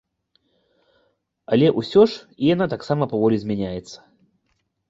Але ўсё ж і яна таксама паволі змяняецца.